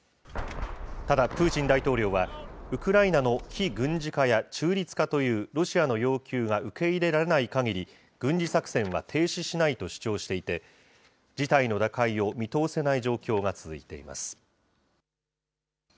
ただ、プーチン大統領は、ウクライナの非軍事化や中立化というロシアの要求が受け入れられないかぎり、軍事作戦は停止しないと主張していて、事態の打開を見通せない状況が続いています。